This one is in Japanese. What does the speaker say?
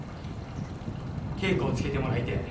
稽古をつけてもらいてえ。